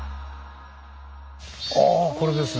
ああこれですね。